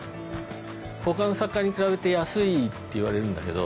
他の作家に比べて安いって言われるんだけど。